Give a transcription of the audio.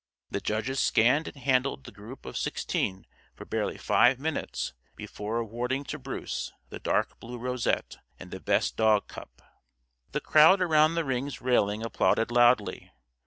The judges scanned and handled the group of sixteen for barely five minutes before awarding to Bruce the dark blue rosette and the "Best Dog" cup. The crowd around the ring's railing applauded loudly.